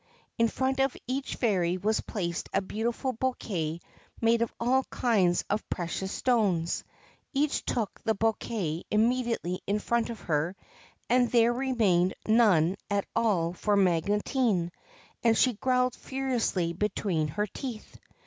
In front of each fairy was placed a beautiful bouquet made of all kinds of precious stones. Each took the bouquet immediately in front of her, and there remained none at all for Magotine ; and she growled furiously between her teeth.